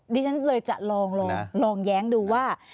ดิฉันเลยจะลองแย้งดูว่า